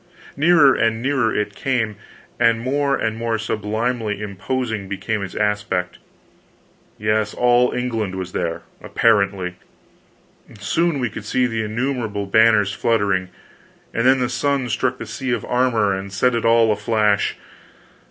Nearer and nearer it came, and more and more sublimely imposing became its aspect; yes, all England was there, apparently. Soon we could see the innumerable banners fluttering, and then the sun struck the sea of armor and set it all aflash.